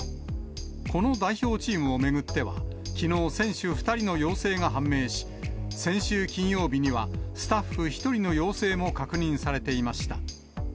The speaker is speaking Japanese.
この代表チームを巡っては、きのう選手２人の陽性が判明し、先週金曜日には、スタッフ１人の陽性も確認されていました。